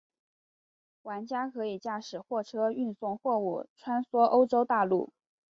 玩家可以驾驶货车运送货物穿梭欧洲大陆。